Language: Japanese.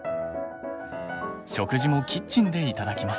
食事もキッチンで頂きます。